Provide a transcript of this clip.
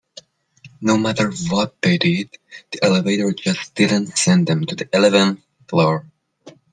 No matter what they did, the elevator just didn't send them to the eleventh floor.